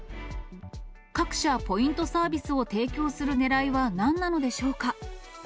各社、ポイントサービスを提供するねらいはなんなのでしょうか。